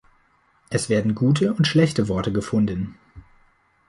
Es werden gute und schlechte Worte gefunden.